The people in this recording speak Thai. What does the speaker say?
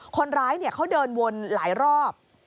คนร้ายเขาเดินวนหลายรอบ